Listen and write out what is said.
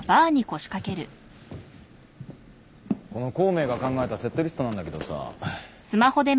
この孔明が考えたセットリストなんだけどさ。